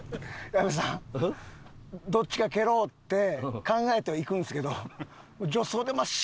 矢部さんどっちか蹴ろうって考えては行くんですけど。